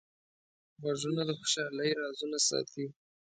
غوږونه د خوشحالۍ رازونه ساتي